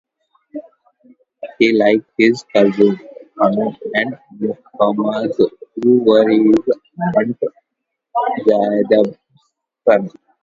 He, like his cousins, Aun and Muhammad, who were his aunt Zaynab's sons.